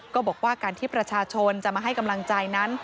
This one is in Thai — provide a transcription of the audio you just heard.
ก็บอกว่าการที่ประชาชนจะมาให้กำลังใจนั้น